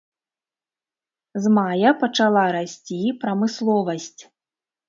З мая пачала расці прамысловасць.